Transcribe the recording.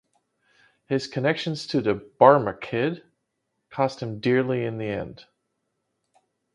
His connections to the Barmakid cost him dearly in the end.